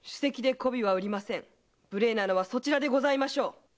無礼なのはそちらでございましょう。